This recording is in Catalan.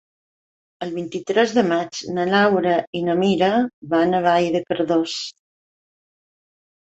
El vint-i-tres de maig na Laura i na Mira van a Vall de Cardós.